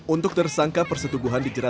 untuk tersangka persetubuhan dijerat